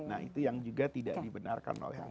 nah itu juga tidak dibenarkan oleh agama